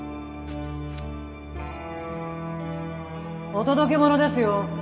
お届け物ですよ。